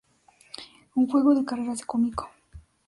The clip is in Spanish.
Un juego de carreras cómico.